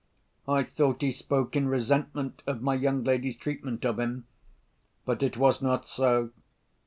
I thought he spoke in resentment of my young lady's treatment of him. But it was not so.